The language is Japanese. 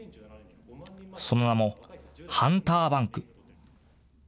その名もハンターバンク。